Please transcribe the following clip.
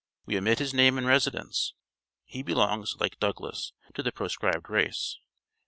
We omit his name and residence. He belongs, like Douglass, to the proscribed race.